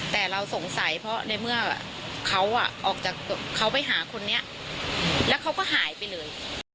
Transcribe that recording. แต่เราสงสัยเพราะในเมื่อเขาออกจากเขาไปหาคนนี้แล้วเขาก็หายไปเลย